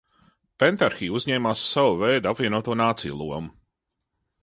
Pentarhija uzņēmās sava veida apvienoto nāciju lomu.